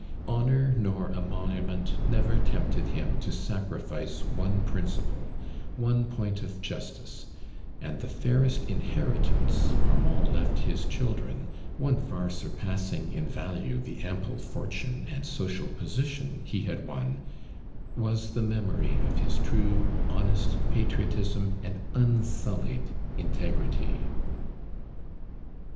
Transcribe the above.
Honor nor emolument never tempted liim to sacritit'e one principle — one point of justice, and the fairest inheritance Ar mand Durand left his children, one far surpassing in value the amplo fortune and social position In,' had won, was the me mory of his true honest patriotism uml unsuUied integrity.